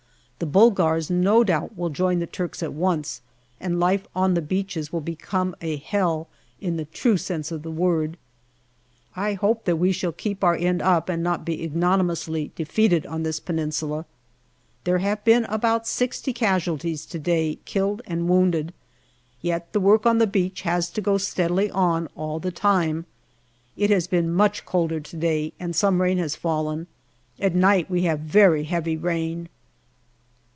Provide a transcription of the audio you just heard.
The Bulgars no doubt will join the Turks at once, and life on the beaches will become a hell in the true sense of the word. I hope that we shall keep our end up and not be ignominiously 16 242 GALLIPOLI DIARY defeated on this Peninsula. There have been about sixty casualties to day, killed and wounded. Yet the work on the beach has to go steadily on all the time. It has been much colder to day, and some rain has fallen. At night we have very heavy rain.